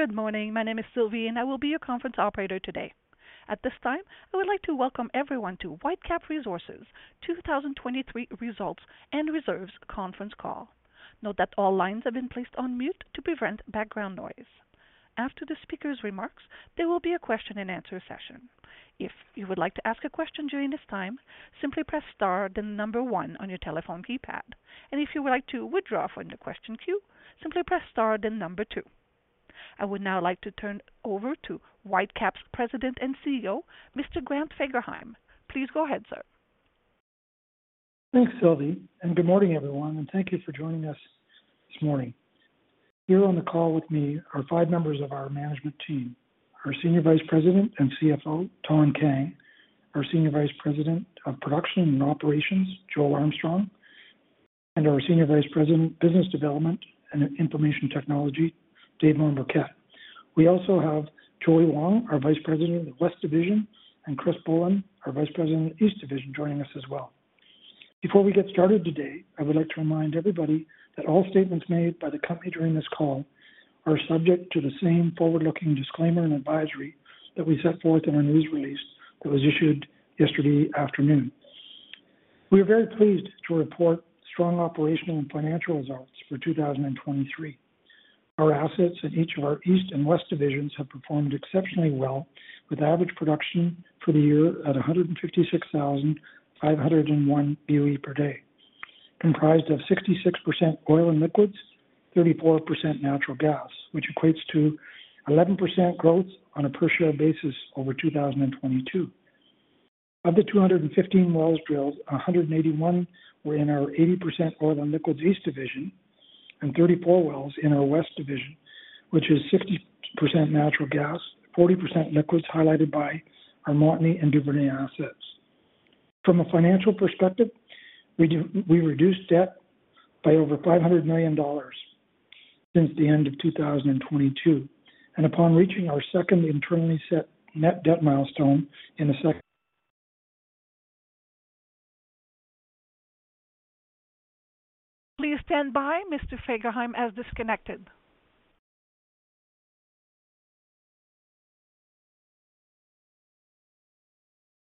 Good morning. My name is Sylvie, and I will be your conference operator today. At this time, I would like to welcome everyone to Whitecap Resources 2023 Results and Reserves Conference Call. Note that all lines have been placed on mute to prevent background noise. After the speaker's remarks, there will be a question-and-answer session. If you would like to ask a question during this time, simply press star, then number one on your telephone keypad, and if you would like to withdraw from the question queue, simply press star, then number two. I would now like to turn over to Whitecap's President and CEO, Mr. Grant Fagerheim. Please go ahead, sir. Thanks, Sylvie, and good morning, everyone, and thank you for joining us this morning. Here on the call with me are five members of our management team, our Senior Vice President and CFO, Thanh Kang, our Senior Vice President of Production and Operations, Joel Armstrong, and our Senior Vice President, Business Development and Information Technology, Dave Mombourquette. We also have Joey Wong, our Vice President of West Division, and Chris Bullin, our Vice President of East Division, joining us as well. Before we get started today, I would like to remind everybody that all statements made by the company during this call are subject to the same forward-looking disclaimer and advisory that we set forth in our news release that was issued yesterday afternoon. We are very pleased to report strong operational and financial results for 2023. Our assets in each of our East Division and West Division have performed exceptionally well, with average production for the year at 156,501 BOE per day, comprised of 66% oil and liquids, 34% natural gas, which equates to 11% growth on a per share basis over 2022. Of the 215 wells drilled, 181 were in our 80% oil and liquids East Division and 34 wells in our West Division, which is 60% natural gas, 40% liquids, highlighted by our Montney and Duvernay assets. From a financial perspective, we reduced debt by over 500 million dollars since the end of 2022, and upon reaching our second internally set net debt milestone in the second- Please stand by. Mr. Fagerheim has disconnected.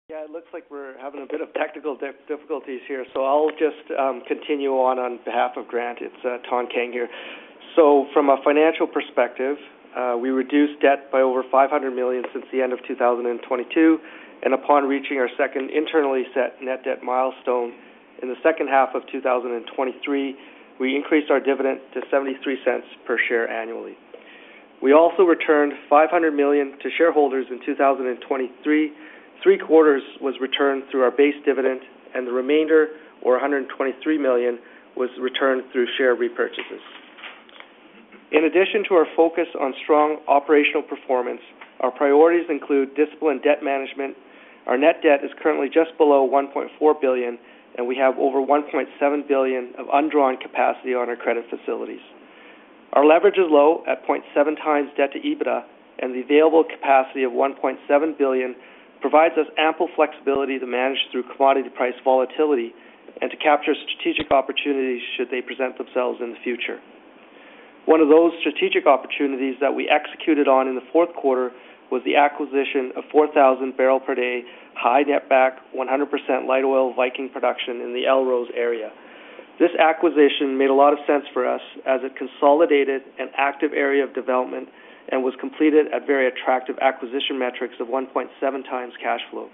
Yeah, it looks like we're having a bit of technical difficulties here, so I'll just continue on behalf of Grant. It's Thanh Kang here. So from a financial perspective, we reduced debt by over 500 million since the end of 2022, and upon reaching our second internally set net debt milestone in the second half of 2023, we increased our dividend to 0.73 per share annually. We also returned 500 million to shareholders in 2023. Three quarters was returned through our base dividend, and the remainder, or 123 million, was returned through share repurchases. In addition to our focus on strong operational performance, our priorities include disciplined debt management. Our net debt is currently just below 1.4 billion, and we have over 1.7 billion of undrawn capacity on our credit facilities. Our leverage is low at 0.7x debt to EBITDA, and the available capacity of 1.7 billion provides us ample flexibility to manage through commodity price volatility and to capture strategic opportunities should they present themselves in the future. One of those strategic opportunities that we executed on in the fourth quarter was the acquisition of 4,000 barrel per day, high netback, 100% light oil Viking production in the Elrose area. This acquisition made a lot of sense for us as it consolidated an active area of development and was completed at very attractive acquisition metrics of 1.7x cash flow,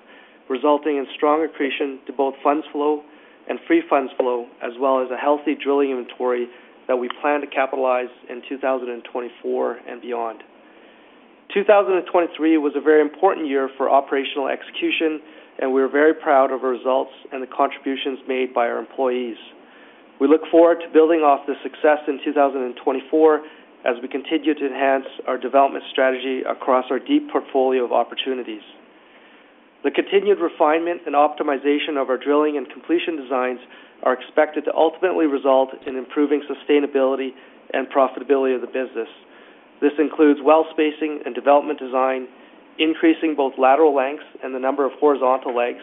resulting in strong accretion to both funds flow and free funds flow, as well as a healthy drilling inventory that we plan to capitalize in 2024 and beyond. 2023 was a very important year for operational execution, and we are very proud of our results and the contributions made by our employees. We look forward to building off this success in 2024 as we continue to enhance our development strategy across our deep portfolio of opportunities. The continued refinement and optimization of our drilling and completion designs are expected to ultimately result in improving sustainability and profitability of the business. This includes well spacing and development design, increasing both lateral lengths and the number of horizontal legs,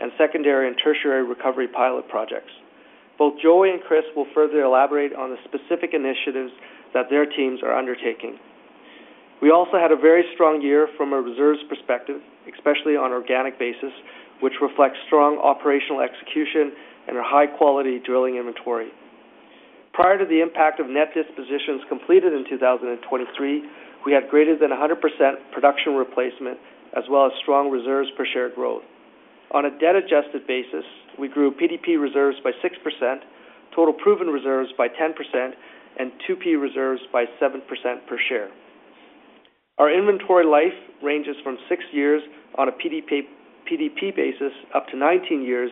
and secondary and tertiary recovery pilot projects. Both Joey and Chris will further elaborate on the specific initiatives that their teams are undertaking. We also had a very strong year from a reserves perspective, especially on organic basis, which reflects strong operational execution and a high-quality drilling inventory. Prior to the impact of net dispositions completed in 2023, we had greater than 100% production replacement as well as strong reserves per share growth. On a debt-adjusted basis, we grew PDP reserves by 6%, total proven reserves by 10% and 2P reserves by 7% per share. Our inventory life ranges from 6 years on a PDP, PDP basis up to 19 years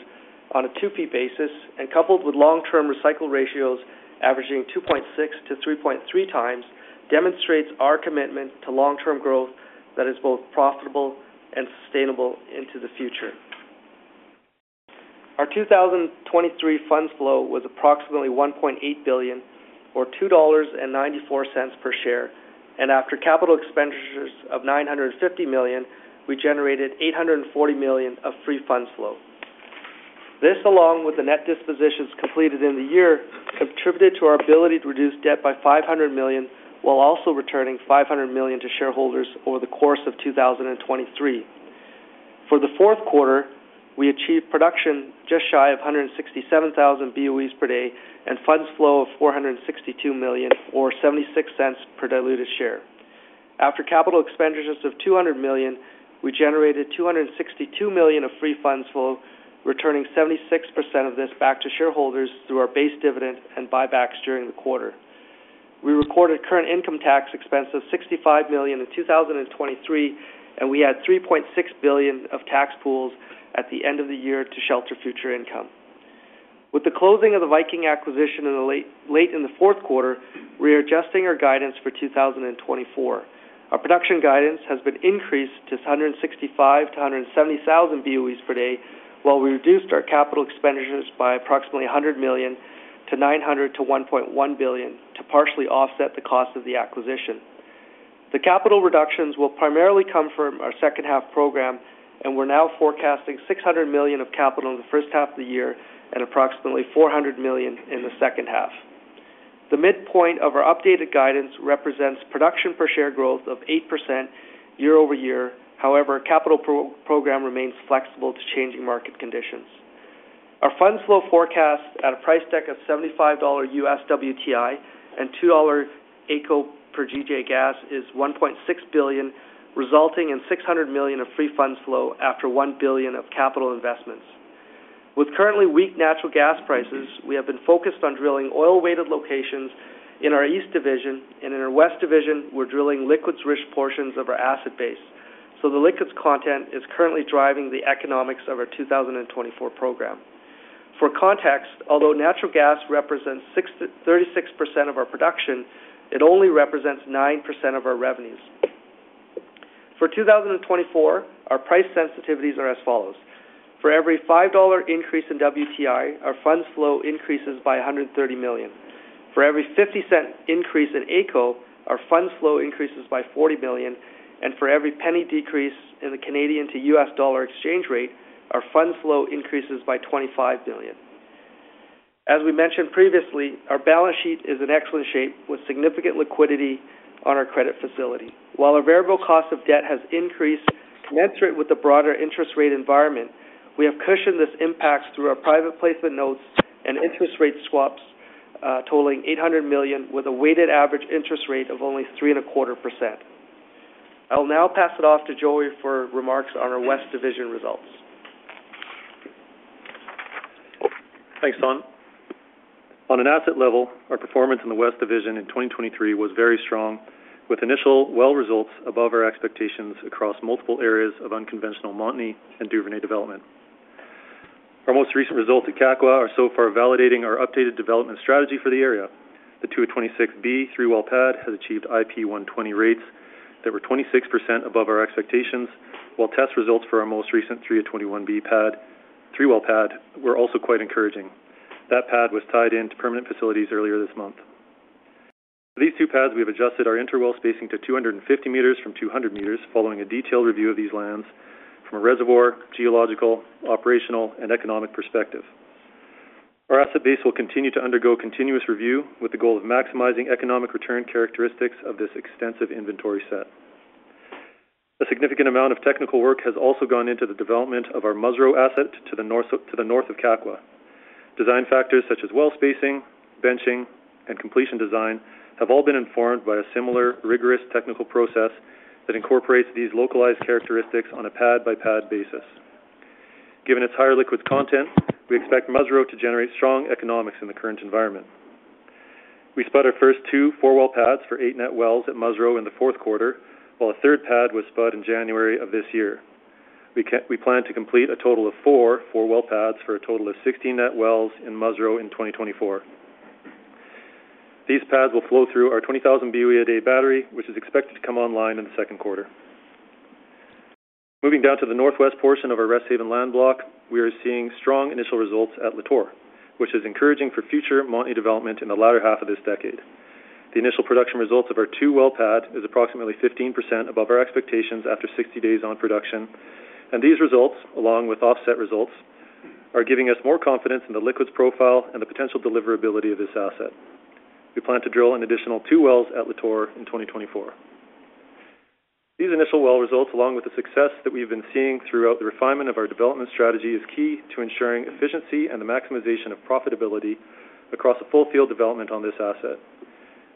on a 2P basis, and coupled with long-term recycle ratios averaging 2.6-3.3 times, demonstrates our commitment to long-term growth that is both profitable and sustainable into the future. Our 2023 Funds Flow was approximately 1.8 billion, or 2.94 dollars per share, and after capital expenditures of 950 million, we generated 840 million of Free Funds Flow. This, along with the net dispositions completed in the year, contributed to our ability to reduce debt by 500 million, while also returning 500 million to shareholders over the course of 2023. For the fourth quarter, we achieved production just shy of 167,000 BOEs per day, and funds flow of 462 million, or 0.76 per diluted share. After capital expenditures of 200 million, we generated 262 million of free funds flow, returning 76% of this back to shareholders through our base dividend and buybacks during the quarter. We recorded current income tax expense of 65 million in 2023, and we had 3.6 billion of tax pools at the end of the year to shelter future income. With the closing of the Viking acquisition in the late, late in the fourth quarter, we are adjusting our guidance for 2024. Our production guidance has been increased to 165,000-170,000 BOEs per day, while we reduced our capital expenditures by approximately 100 million to 900 million-1.1 billion, to partially offset the cost of the acquisition. The capital reductions will primarily come from our second half program, and we're now forecasting 600 million of capital in the first half of the year and approximately 400 million in the second half. The midpoint of our updated guidance represents production per share growth of 8% year-over-year. However, our capital program remains flexible to changing market conditions. Our funds flow forecast at a price deck of $75 U.S. WTI and 2 dollar AECO per GJ gas is 1.6 billion, resulting in 600 million of free funds flow after 1 billion of capital investments. With currently weak natural gas prices, we have been focused on drilling oil-weighted locations in our East Division, and in our West Division, we're drilling liquids-rich portions of our asset base. So the liquids content is currently driving the economics of our 2024 program. For context, although natural gas represents 6%-36% of our production, it only represents 9% of our revenues. For 2024, our price sensitivities are as follows: For every $5 increase in WTI, our funds flow increases by 130 million. For every 0.50 increase in AECO, our funds flow increases by 40 million, and for every 0.01 decrease in the Canadian to U.S. dollar exchange rate, our funds flow increases by 25 billion. As we mentioned previously, our balance sheet is in excellent shape, with significant liquidity on our credit facility. While our variable cost of debt has increased in concert with the broader interest rate environment, we have cushioned this impact through our private placement notes and interest rate swaps, totaling 800 million, with a weighted average interest rate of only 3.25%. I'll now pass it off to Joey for remarks on our West Division results. Thanks, Don. On an asset level, our performance in the West Division in 2023 was very strong, with initial well results above our expectations across multiple areas of unconventional Montney and Duvernay development. Our most recent results at Kakwa are so far validating our updated development strategy for the area. The 2-26-B three-well pad has achieved IP120 rates that were 26% above our expectations, while test results for our most recent 3-21-B pad three-well pad were also quite encouraging. That pad was tied into permanent facilities earlier this month. These two pads, we have adjusted our interwell spacing to 250 meters from 200 meters, following a detailed review of these lands from a reservoir, geological, operational, and economic perspective. Our asset base will continue to undergo continuous review, with the goal of maximizing economic return characteristics of this extensive inventory set. A significant amount of technical work has also gone into the development of our Musreau asset to the north of, to the north of Kakwa. Design factors such as well spacing, benching, and completion design have all been informed by a similar rigorous technical process that incorporates these localized characteristics on a pad-by-pad basis. Given its higher liquids content, we expect Musreau to generate strong economics in the current environment. We spud our first two four-well pads for 8 net wells at Musreau in the fourth quarter, while a third pad was spud in January of this year. We plan to complete a total of four four-well pads for a total of 16 net wells in Musreau in 2024. These pads will flow through our 20,000 BOE a day battery, which is expected to come online in the second quarter. Moving down to the northwest portion of our Resthaven land block, we are seeing strong initial results at Lator, which is encouraging for future Montney development in the latter half of this decade. The initial production results of our two-well pad is approximately 15% above our expectations after 60 days on production, and these results, along with offset results, are giving us more confidence in the liquids profile and the potential deliverability of this asset. We plan to drill an additional two wells at Lator in 2024. These initial well results, along with the success that we've been seeing throughout the refinement of our development strategy, is key to ensuring efficiency and the maximization of profitability across the full field development on this asset.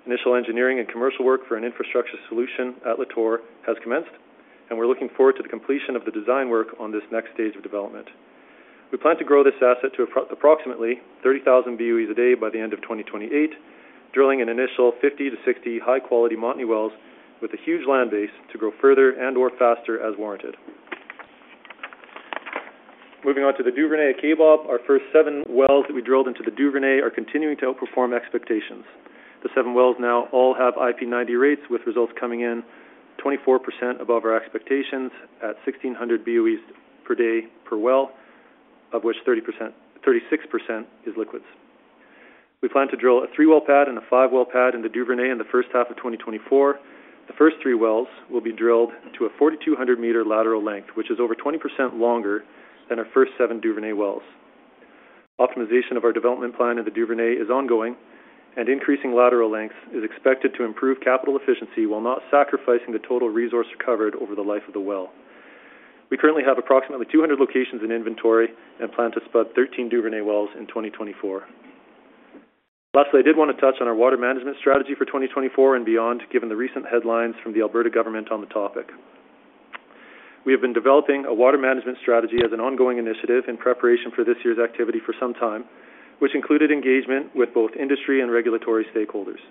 Initial engineering and commercial work for an infrastructure solution at Lator has commenced, and we're looking forward to the completion of the design work on this next stage of development. We plan to grow this asset to approximately 30,000 BOEs a day by the end of 2028, drilling an initial 50-60 high-quality Montney wells with a huge land base to grow further and/or faster as warranted. Moving on to the Duvernay at Kaybob, our first seven wells that we drilled into the Duvernay are continuing to outperform expectations. The seven wells now all have IP90 rates, with results coming in 24% above our expectations at 1,600 BOEs per day per well, of which 36% is liquids. We plan to drill a three-well pad and a five-well pad in the Duvernay in the first half of 2024. The first three wells will be drilled to a 4,200-meter lateral length, which is over 20% longer than our first seven Duvernay wells. Optimization of our development plan in the Duvernay is ongoing, and increasing lateral lengths is expected to improve capital efficiency while not sacrificing the total resource recovered over the life of the well. We currently have approximately 200 locations in inventory and plan to spud 13 Duvernay wells in 2024. Lastly, I did want to touch on our water management strategy for 2024 and beyond, given the recent headlines from the Alberta government on the topic. We have been developing a water management strategy as an ongoing initiative in preparation for this year's activity for some time, which included engagement with both industry and regulatory stakeholders.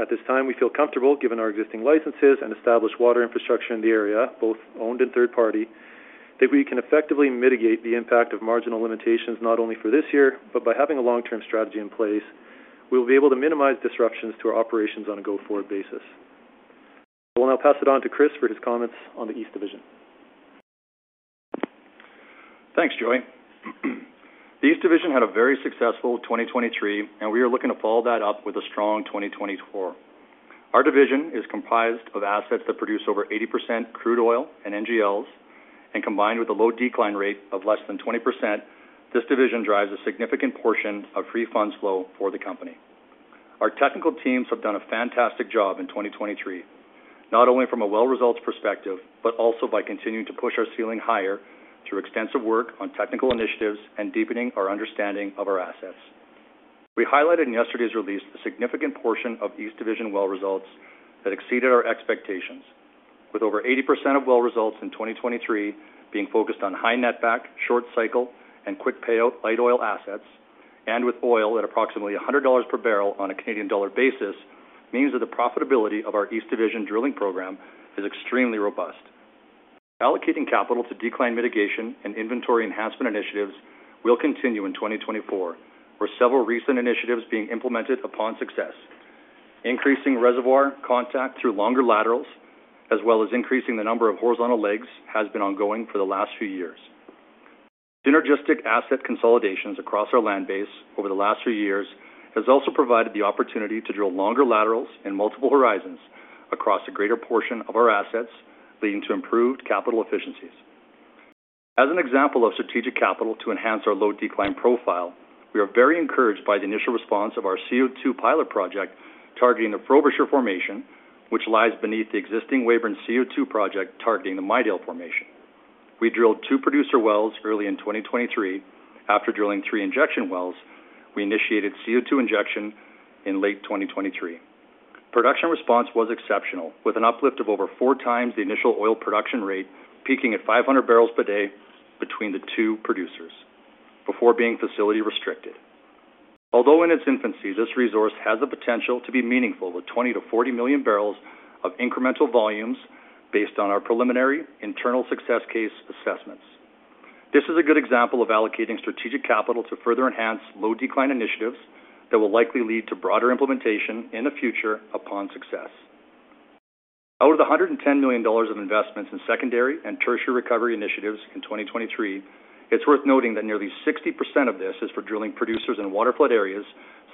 At this time, we feel comfortable, given our existing licenses and established water infrastructure in the area, both owned and third party, that we can effectively mitigate the impact of marginal limitations, not only for this year, but by having a long-term strategy in place, we will be able to minimize disruptions to our operations on a go-forward basis. I will now pass it on to Chris for his comments on the East Division. Thanks, Joey. The East Division had a very successful 2023, and we are looking to follow that up with a strong 2024. Our division is comprised of assets that produce over 80% crude oil and NGLs, and combined with a low decline rate of less than 20%, this division drives a significant portion of free funds flow for the company. Our technical teams have done a fantastic job in 2023, not only from a well results perspective, but also by continuing to push our ceiling higher through extensive work on technical initiatives and deepening our understanding of our assets. We highlighted in yesterday's release, a significant portion of East Division well results that exceeded our expectations. With over 80% of well results in 2023 being focused on high net back, short cycle, and quick payout, light oil assets, and with oil at approximately 100 dollars per barrel on a Canadian dollar basis, means that the profitability of our East Division drilling program is extremely robust. Allocating capital to decline mitigation and inventory enhancement initiatives will continue in 2024, with several recent initiatives being implemented upon success. Increasing reservoir contact through longer laterals, as well as increasing the number of horizontal legs, has been ongoing for the last few years. Synergistic asset consolidations across our land base over the last few years has also provided the opportunity to drill longer laterals in multiple horizons across a greater portion of our assets, leading to improved capital efficiencies. As an example of strategic capital to enhance our low decline profile, we are very encouraged by the initial response of our CO2 pilot project targeting the Frobisher formation, which lies beneath the existing Weyburn CO2 project, targeting the Midale formation. We drilled rwo producer wells early in 2023. After drilling three injection wells, we initiated CO2 injection in late 2023. Production response was exceptional, with an uplift of over four times the initial oil production rate, peaking at 500 barrels per day between the two producers before being facility restricted. Although in its infancy, this resource has the potential to be meaningful, with 20-40 million barrels of incremental volumes based on our preliminary internal success case assessments. This is a good example of allocating strategic capital to further enhance low decline initiatives that will likely lead to broader implementation in the future upon success. Out of the 110 million dollars of investments in secondary and tertiary recovery initiatives in 2023, it's worth noting that nearly 60% of this is for drilling producers in waterflood areas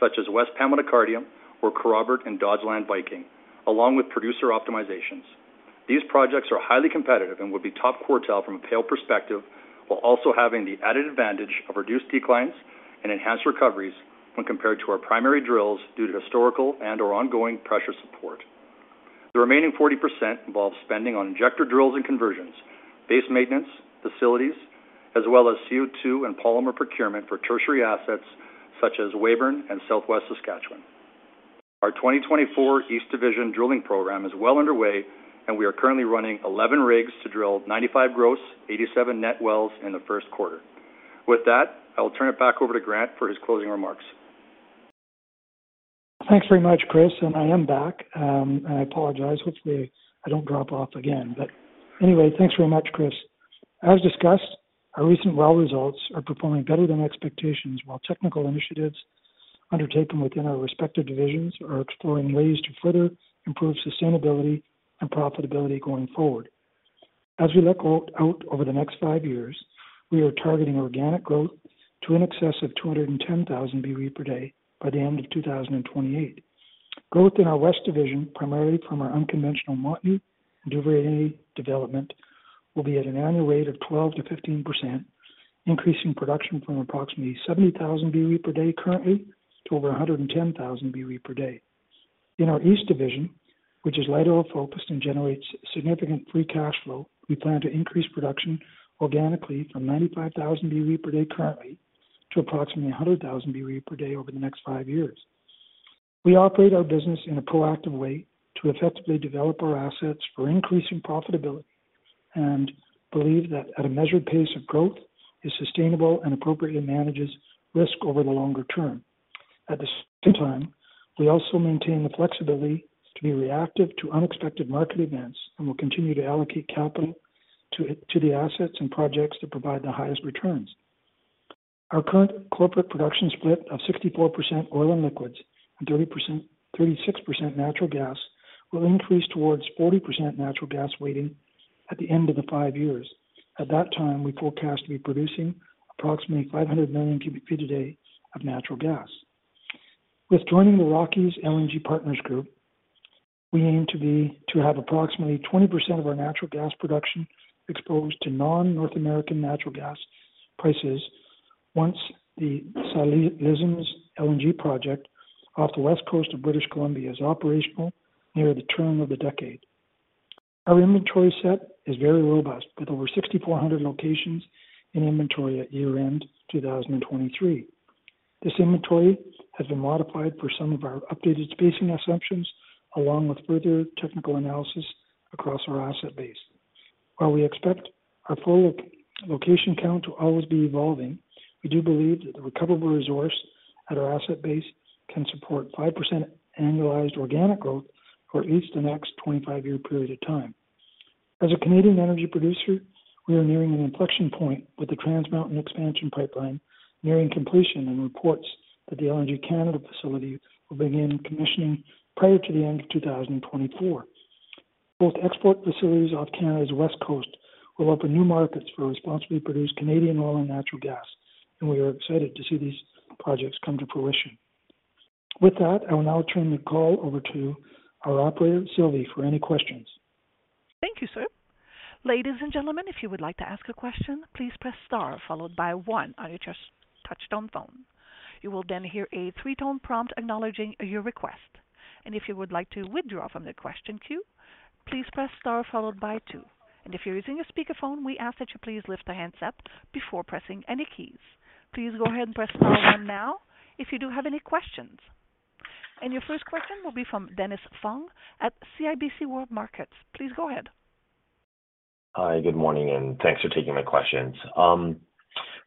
such as West Pembina Cardium or Kerrobert and Dodsland Viking, along with producer optimizations. These projects are highly competitive and will be top quartile from a pay perspective, while also having the added advantage of reduced declines and enhanced recoveries when compared to our primary drills due to historical and/or ongoing pressure support. The remaining 40% involves spending on injector drills and conversions, base maintenance, facilities, as well as CO2 and polymer procurement for tertiary assets such as Weyburn and Southwest Saskatchewan. Our 2024 East Division drilling program is well underway, and we are currently running 11 rigs to drill 95 gross, 87 net wells in the first quarter. With that, I'll turn it back over to Grant for his closing remarks. Thanks very much, Chris, and I am back. I apologize. Hopefully, I don't drop off again, but anyway, thanks very much, Chris. As discussed, our recent well results are performing better than expectations, while technical initiatives undertaken within our respective divisions are exploring ways to further improve sustainability and profitability going forward. As we look out over the next five years, we are targeting organic growth to in excess of 210,000 BOE per day by the end of 2028. Growth in our West Division, primarily from our unconventional Montney Duvernay development, will be at an annual rate of 12%-15%, increasing production from approximately 70,000 BOE per day currently to over 110,000 BOE per day. In our East Division, which is lighter oil-focused and generates significant free cash flow, we plan to increase production organically from 95,000 BOE per day currently to approximately 100,000 BOE per day over the next five years. We operate our business in a proactive way to effectively develop our assets for increasing profitability and believe that at a measured pace of growth is sustainable and appropriately manages risk over the longer term. At the same time, we also maintain the flexibility to be reactive to unexpected market events and will continue to allocate capital to the assets and projects that provide the highest returns. Our current corporate production split of 64% oil and liquids and 36% natural gas will increase towards 40% natural gas weighting- at the end of the five years. At that time, we forecast to be producing approximately 500 million cubic feet a day of natural gas. With joining the Rockies LNG Partners group, we aim to be, to have approximately 20% of our natural gas production exposed to non-North American natural gas prices once the Salish LNG project off the west coast of British Columbia is operational near the turn of the decade. Our inventory set is very robust, with over 6,400 locations in inventory at year-end 2023. This inventory has been modified for some of our updated spacing assumptions, along with further technical analysis across our asset base. While we expect our full location count to always be evolving, we do believe that the recoverable resource at our asset base can support 5% annualized organic growth for at least the next 25-year period of time. As a Canadian energy producer, we are nearing an inflection point with the Trans Mountain expansion pipeline nearing completion and reports that the LNG Canada facility will begin commissioning prior to the end of 2024. Both export facilities off Canada's west coast will open new markets for responsibly produced Canadian oil and natural gas, and we are excited to see these projects come to fruition. With that, I will now turn the call over to our operator, Sylvie, for any questions. Thank you, sir. Ladies and gentlemen, if you would like to ask a question, please press star followed by one on your touch tone phone. You will then hear a three-tone prompt acknowledging your request, and if you would like to withdraw from the question queue, please press star followed by two. If you're using a speakerphone, we ask that you please lift the handset before pressing any keys. Please go ahead and press star one now if you do have any questions. Your first question will be from Dennis Fong at CIBC World Markets. Please go ahead. Hi, good morning, and thanks for taking my questions.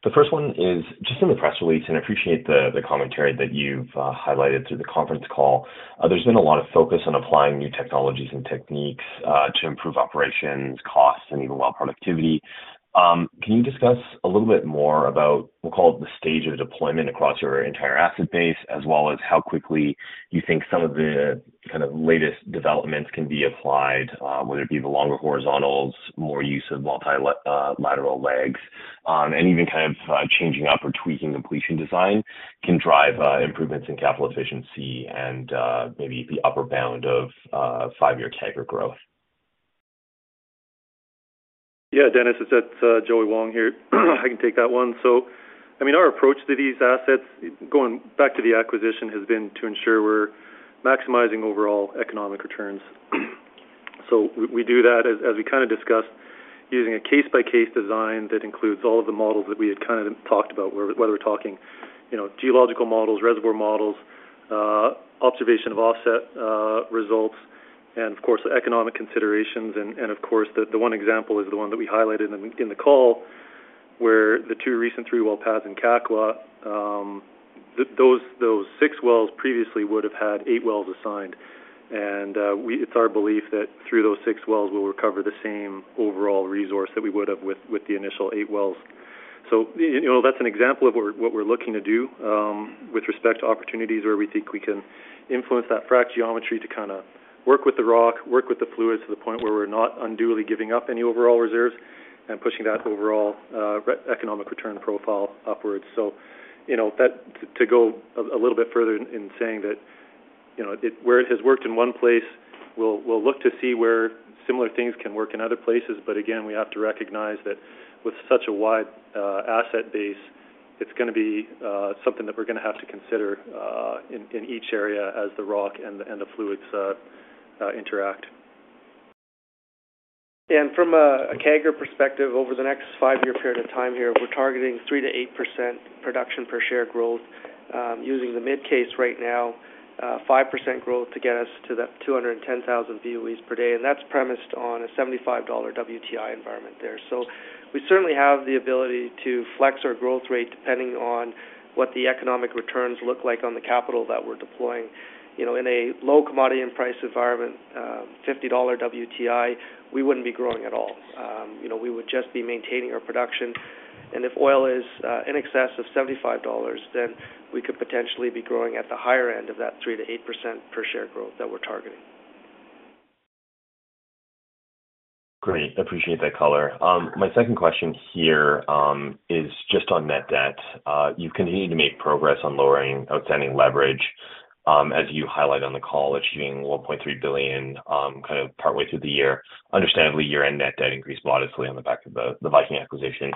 The first one is just in the press release, and I appreciate the, the commentary that you've highlighted through the conference call. There's been a lot of focus on applying new technologies and techniques to improve operations, costs, and even well productivity. Can you discuss a little bit more about, we'll call it, the stage of deployment across your entire asset base, as well as how quickly you think some of the kind of latest developments can be applied, whether it be the longer horizontals, more use of multilateral legs, and even kind of, changing up or tweaking completion design can drive improvements in capital efficiency and, maybe the upper bound of, five-year CAGR growth? Yeah, Dennis, it's Joey Wong here. I can take that one. So, I mean, our approach to these assets, going back to the acquisition, has been to ensure we're maximizing overall economic returns. So we do that, as we kind of discussed, using a case-by-case design that includes all of the models that we had kind of talked about, whether we're talking, you know, geological models, reservoir models, observation of offset results, and of course, economic considerations. And of course, the one example is the one that we highlighted in the call, where the two recent three well paths in Kakwa, those six wells previously would have had eight wells assigned. And we-- it's our belief that through those six wells, we'll recover the same overall resource that we would have with the initial eight wells. So, you know, that's an example of what we're looking to do with respect to opportunities where we think we can influence that frack geometry to kind of work with the rock, work with the fluids to the point where we're not unduly giving up any overall reserves and pushing that overall economic return profile upwards. So, you know, that. To go a little bit further in saying that, you know, where it has worked in one place, we'll look to see where similar things can work in other places. But again, we have to recognize that with such a wide asset base, it's gonna be something that we're gonna have to consider in each area as the rock and the fluids interact. From a CAGR perspective, over the next five-year period of time here, we're targeting 3%-8% production per share growth. Using the mid case right now, 5% growth to get us to that 210,000 BOEs per day, and that's premised on a $75 WTI environment there. So we certainly have the ability to flex our growth rate, depending on what the economic returns look like on the capital that we're deploying. You know, in a low commodity and price environment, $50 WTI, we wouldn't be growing at all. You know, we would just be maintaining our production. If oil is in excess of $75, then we could potentially be growing at the higher end of that 3%-8% per share growth that we're targeting. Great. Appreciate that color. My second question here is just on Net Debt. You've continued to make progress on lowering outstanding leverage, as you highlight on the call, achieving 1.3 billion, kind of partway through the year. Understandably, your end Net Debt increased modestly on the back of the Viking acquisition.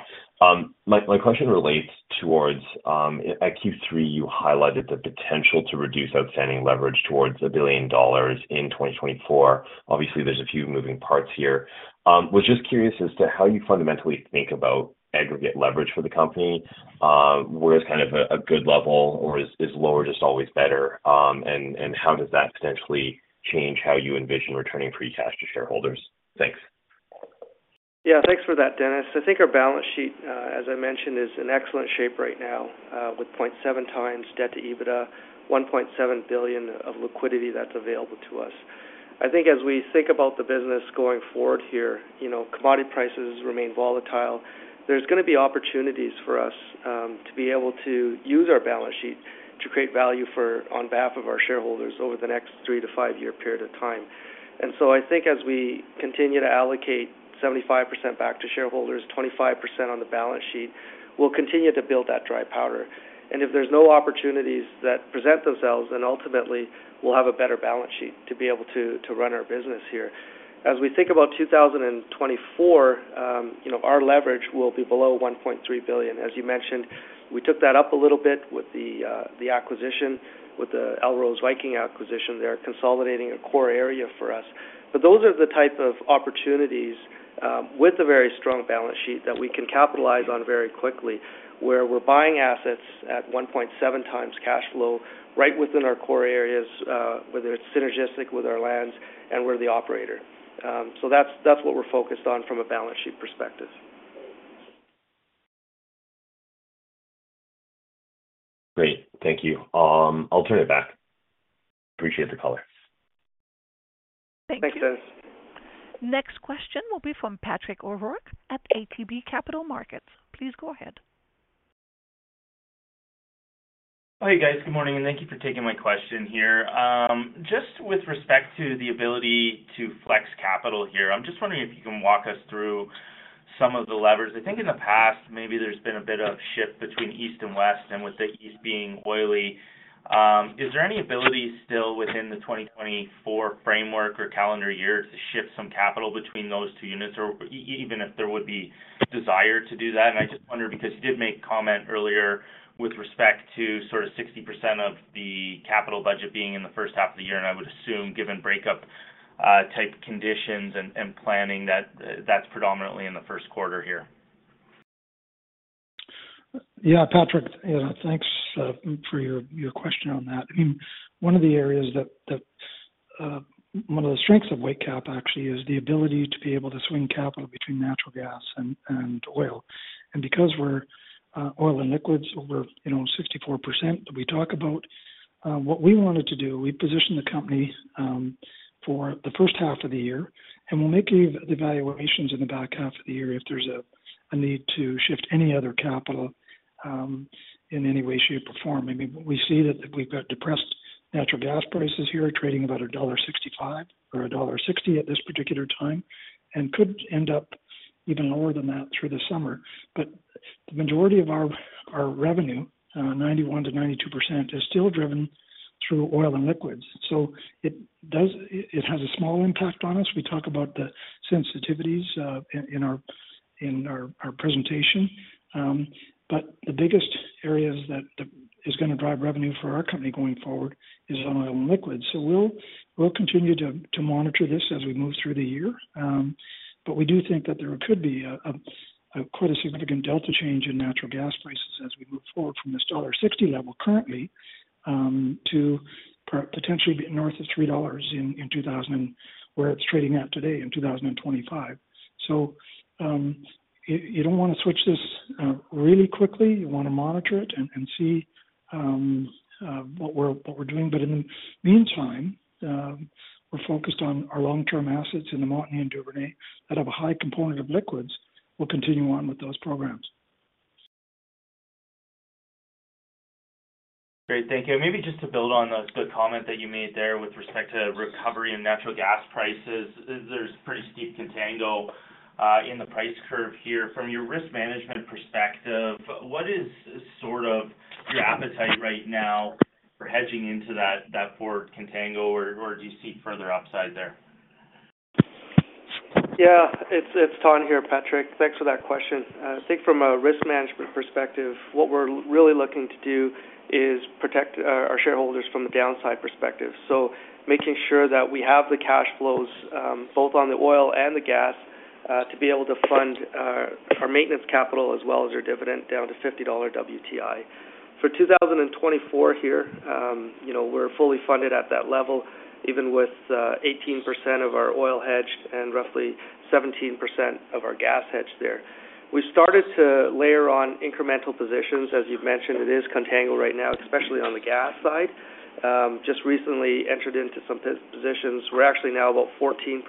My question relates towards at Q3, you highlighted the potential to reduce outstanding leverage towards 1 billion dollars in 2024. Obviously, there's a few moving parts here. Was just curious as to how you fundamentally think about aggregate leverage for the company. Where is kind of a good level, or is lower just always better? And how does that potentially change how you envision returning free cash to shareholders? Thanks. Yeah, thanks for that, Dennis. I think our balance sheet, as I mentioned, is in excellent shape right now, with 0.7x debt to EBITDA, 1.7 billion of liquidity that's available to us. I think as we think about the business going forward here, you know, commodity prices remain volatile. There's gonna be opportunities for us to be able to use our balance sheet to create value for, on behalf of our shareholders over the next 3- to 5-year period of time. And so I think as we continue to allocate 75% back to shareholders, 25% on the balance sheet, we'll continue to build that dry powder. And if there's no opportunities that present themselves, then ultimately we'll have a better balance sheet to be able to, to run our business here. As we think about 2024, you know, our leverage will be below 1.3 billion. As you mentioned, we took that up a little bit with the, the acquisition, with the Elrose Viking acquisition. They are consolidating a core area for us. But those are the type of opportunities, with a very strong balance sheet that we can capitalize on very quickly, where we're buying assets at 1.7 times cash flow, right within our core areas, whether it's synergistic with our lands and we're the operator. So that's, that's what we're focused on from a balance sheet perspective. Great. Thank you. I'll turn it back. Appreciate the call. Thank you. Thanks, guys. Next question will be from Patrick O'Rourke at ATB Capital Markets. Please go ahead. Hey, guys. Good morning, and thank you for taking my question here. Just with respect to the ability to flex capital here, I'm just wondering if you can walk us through some of the levers. I think in the past, maybe there's been a bit of shift between east and west, and with the east being oily. Is there any ability still within the 2024 framework or calendar year to shift some capital between those two units, or even if there would be desire to do that? And I just wondered because you did make comment earlier with respect to sort of 60% of the capital budget being in the first half of the year, and I would assume, given breakup, type conditions and planning, that that's predominantly in the first quarter here. Yeah, Patrick, you know, thanks for your question on that. I mean, one of the areas that one of the strengths of Whitecap, actually, is the ability to be able to swing capital between natural gas and oil. And because we're oil and liquids over, you know, 64% that we talk about, what we wanted to do, we positioned the company for the first half of the year, and we'll make the evaluations in the back half of the year if there's a need to shift any other capital in any way, shape, or form. I mean, we see that we've got depressed natural gas prices here, trading about dollar 1.65 or dollar 1.60 at this particular time, and could end up even lower than that through the summer. But the majority of our revenue, 91%-92%, is still driven through oil and liquids. So it does. It has a small impact on us. We talk about the sensitivities in our presentation. But the biggest areas that is gonna drive revenue for our company going forward is on oil and liquids. So we'll continue to monitor this as we move through the year. But we do think that there could be a quite a significant delta change in natural gas prices as we move forward from this dollar 1.60 level currently to potentially north of 3 dollars in 2025 where it's trading at today in 2025. So you don't wanna switch this really quickly. You wanna monitor it and see what we're doing. But in the meantime, we're focused on our long-term assets in the Montney and Duvernay that have a high component of liquids. We'll continue on with those programs. Great. Thank you. Maybe just to build on the good comment that you made there with respect to recovery in natural gas prices. There's pretty steep contango in the price curve here. From your risk management perspective, what is sort of the appetite right now for hedging into that forward contango, or do you see further upside there? Yeah, it's Thanh here, Patrick. Thanks for that question. I think from a risk management perspective, what we're really looking to do is protect our shareholders from the downside perspective. So making sure that we have the cash flows both on the oil and the gas to be able to fund our maintenance capital as well as our dividend down to $50 WTI. For 2024 here, you know, we're fully funded at that level, even with 18% of our oil hedged and roughly 17% of our gas hedged there. We started to layer on incremental positions. As you've mentioned, it is contango right now, especially on the gas side. Just recently entered into some positions. We're actually now about 14%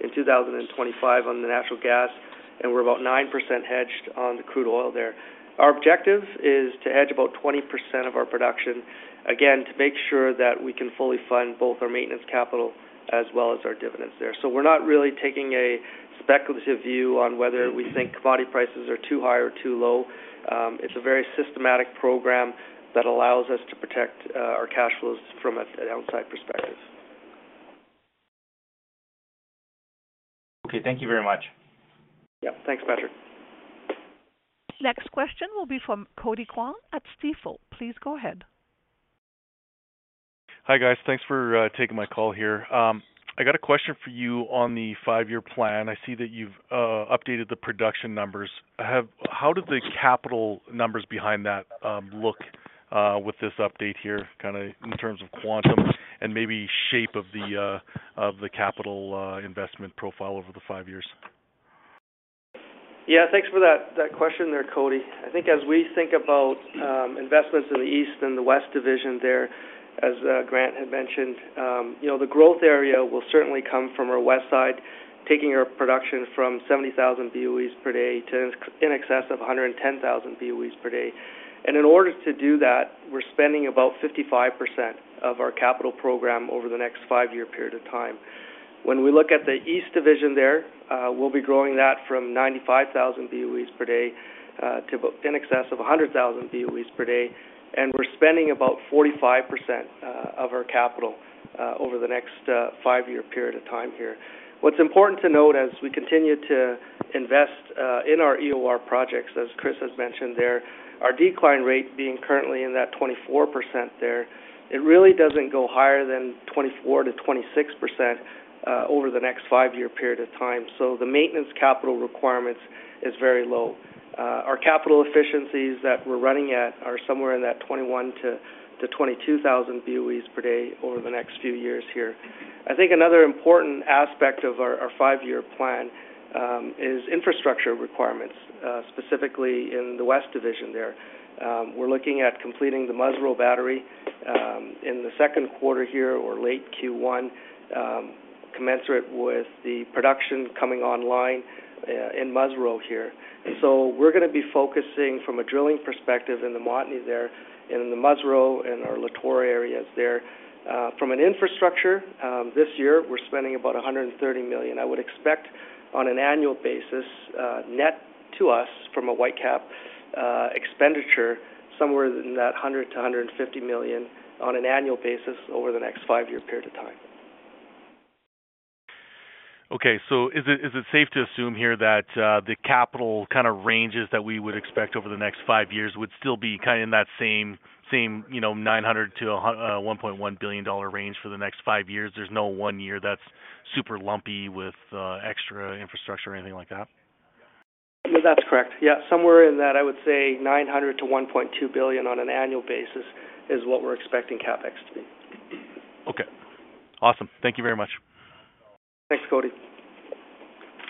in 2025 on the natural gas, and we're about 9% hedged on the crude oil there. Our objective is to hedge about 20% of our production, again, to make sure that we can fully fund both our maintenance capital as well as our dividends there. So we're not really taking a speculative view on whether we think commodity prices are too high or too low. It's a very systematic program that allows us to protect our cash flows from an outside perspective. Okay, thank you very much. Yeah. Thanks, Patrick. Next question will be from Cody Kwong at Stifel. Please go ahead. Hi, guys. Thanks for taking my call here. I got a question for you on the five-year plan. I see that you've updated the production numbers. How did the capital numbers behind that look with this update here, kinda in terms of quantum and maybe shape of the capital investment profile over the five years? Yeah, thanks for that, that question there, Cody. I think as we think about investments in the East and the West Division there, as Grant had mentioned, you know, the growth area will certainly come from our west side, taking our production from 70,000 BOEs per day to in excess of 110,000 BOEs per day. And in order to do that, we're spending about 55% of our capital program over the next five-year period of time. When we look at the East Division there, we'll be growing that from 95,000 BOEs per day to about in excess of 100,000 BOEs per day, and we're spending about 45% of our capital over the next five-year period of time here. What's important to note as we continue to invest in our EOR projects, as Chris has mentioned there, our decline rate being currently in that 24% there, it really doesn't go higher than 24%-26% over the next five-year period of time, so the maintenance capital requirements is very low. Our capital efficiencies that we're running at are somewhere in that 21,000-22,000 BOEs per day over the next few years here. I think another important aspect of our five-year plan is infrastructure requirements, specifically in the West Division there. We're looking at completing the Musreau battery in the second quarter here or late Q1, commensurate with the production coming online in Musreau here. So we're gonna be focusing from a drilling perspective in the Montney there and in the Musreau and our Lator areas there. From an infrastructure, this year, we're spending about 130 million. I would expect on an annual basis, net to us from a Whitecap expenditure, somewhere in that 100 million-150 million on an annual basis over the next five-year period of time. Okay. Is it safe to assume here that the capital kind of ranges that we would expect over the next five years would still be kind of in that same, you know, 900 million-1.1 billion dollar range for the next five years? There's no one year that's super lumpy with extra infrastructure or anything like that? Well, that's correct. Yeah. Somewhere in that, I would say 900 million-1.2 billion on an annual basis is what we're expecting CapEx to be. Okay. Awesome. Thank you very much. Thanks, Cody.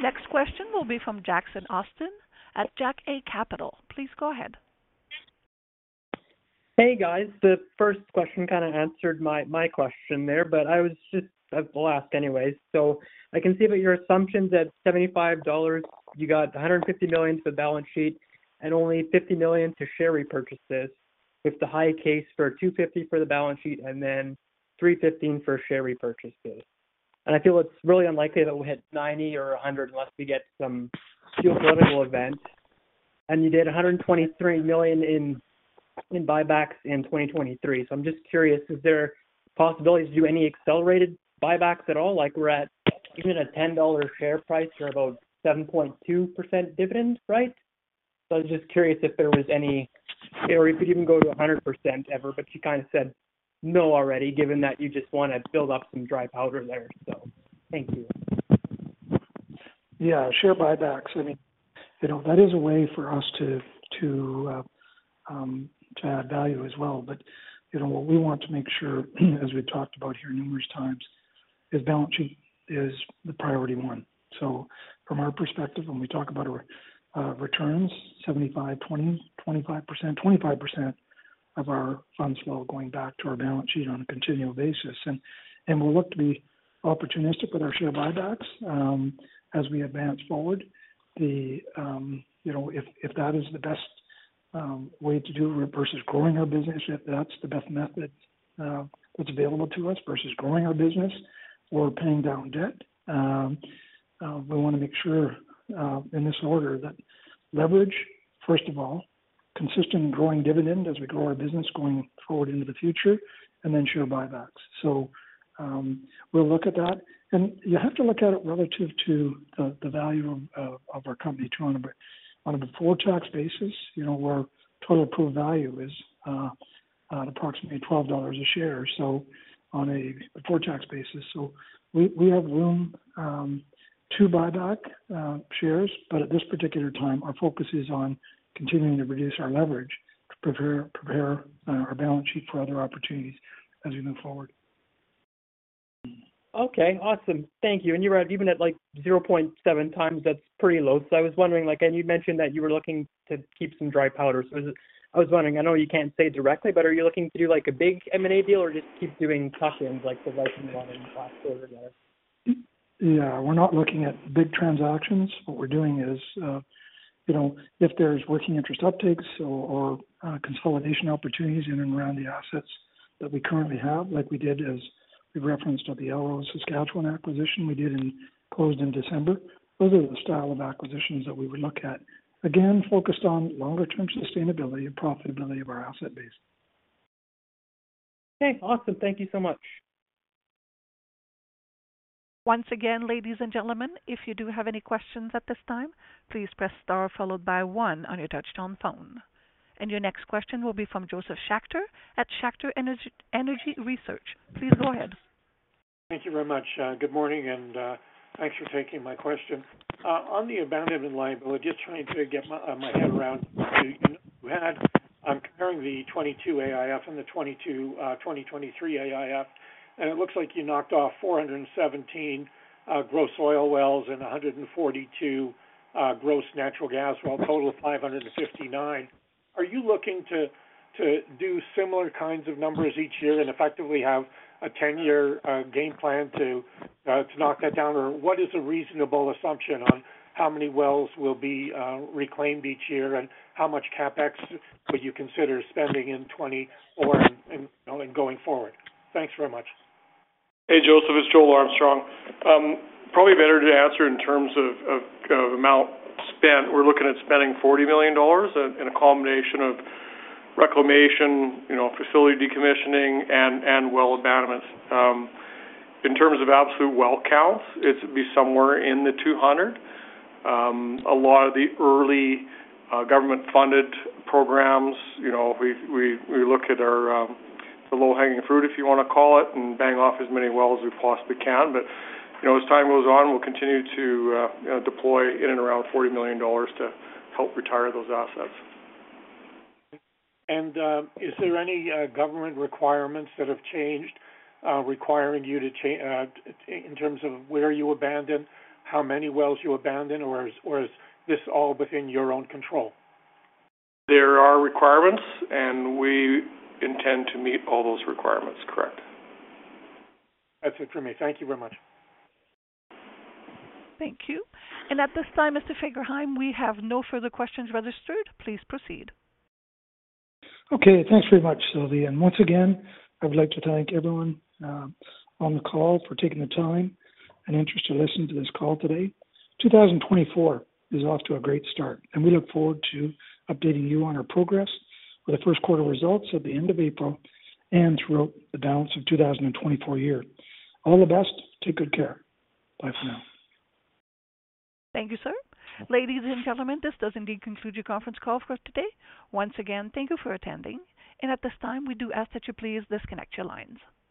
Next question will be from Jackson Austin at Jack A. Capital. Please go ahead. Hey, guys. The first question kind of answered my question there, but I was just. I'll ask anyways. So I can see that your assumptions at $75, you got 150 million to the balance sheet and only 50 million to share repurchases, with the high case for 250 million for the balance sheet and then 315 million for share repurchases. And I feel it's really unlikely that we'll hit $90 or $100 unless we get some geopolitical event. And you did 123 million in buybacks in 2023. So I'm just curious, is there a possibility to do any accelerated buybacks at all? Like, we're at even a 10 dollar share price or about 7.2% dividend, right? I was just curious if there was any, or if you'd even go to 100% ever, but you kind of said no already, given that you just want to build up some dry powder there, so thank you. Yeah, share buybacks. I mean, you know, that is a way for us to add value as well. But, you know, what we want to make sure, as we've talked about here numerous times, is balance sheet is the priority one. So from our perspective, when we talk about our returns, 75, 20, 25%. 25% of our Funds Flow going back to our balance sheet on a continual basis. And we'll look to be opportunistic with our share buybacks, as we advance forward. You know, if that is the best way to do it versus growing our business, if that's the best method that's available to us versus growing our business or paying down debt, we want to make sure, in this order, that leverage, first of all, consistent growing dividend as we grow our business going forward into the future, and then share buybacks. So, we'll look at that, and you have to look at it relative to the value of our company on a before-tax basis. You know, our total approved value is approximately 12 dollars a share, so on a before-tax basis. We have room to buy back shares, but at this particular time, our focus is on continuing to reduce our leverage, prepare our balance sheet for other opportunities as we move forward. Okay, awesome. Thank you. And you were at, even at, like, 0.7 times, that's pretty low. So I was wondering, like. And you mentioned that you were looking to keep some dry powder. So I was wondering, I know you can't say directly, but are you looking to do, like, a big M&A deal or just keep doing tuck-ins like the one in the last quarter there? Yeah, we're not looking at big transactions. What we're doing is, you know, if there's working interest upticks or, or, consolidation opportunities in and around the assets that we currently have, like we did, as we referenced, at the Elrose acquisition we did in-- closed in December. Those are the style of acquisitions that we would look at. Again, focused on longer-term sustainability and profitability of our asset base. Okay, awesome. Thank you so much. Once again, ladies and gentlemen, if you do have any questions at this time, please press star followed by one on your touchtone phone. Your next question will be from Josef Schachter at Schachter Energy Research. Please go ahead. Thank you very much. Good morning, and thanks for taking my question. On the abandonment liability, just trying to get my head around the.... I had, I'm comparing the 2022 AIF and the 2022, 2023 AIF, and it looks like you knocked off 417 gross oil wells and 142 gross natural gas wells, total of 559. Are you looking to do similar kinds of numbers each year and effectively have a 10-year game plan to knock that down? Or what is a reasonable assumption on how many wells will be reclaimed each year, and how much CapEx would you consider spending in 2024 and going forward? Thanks very much. Hey, Josef, it's Joel Armstrong. Probably better to answer in terms of amount spent. We're looking at spending 40 million dollars in a combination of reclamation, you know, facility decommissioning and well abandonments. In terms of absolute well counts, it'd be somewhere in the 200. A lot of the early government-funded programs, you know, we look at our the low-hanging fruit, if you wanna call it, and bang off as many wells as we possibly can. But, you know, as time goes on, we'll continue to, you know, deploy in and around 40 million dollars to help retire those assets. Is there any government requirements that have changed, requiring you to change in terms of where you abandon, how many wells you abandon, or is this all within your own control? There are requirements, and we intend to meet all those requirements, correct? That's it for me. Thank you very much. Thank you. At this time, Mr. Fagerheim, we have no further questions registered. Please proceed. Okay, thanks very much, Sylvie, and once again, I would like to thank everyone on the call for taking the time and interest to listen to this call today. 2024 is off to a great start, and we look forward to updating you on our progress for the first quarter results at the end of April and throughout the balance of 2024 year. All the best. Take good care. Bye for now. Thank you, sir. Ladies and gentlemen, this does indeed conclude your conference call for today. Once again, thank you for attending, and at this time, we do ask that you please disconnect your lines.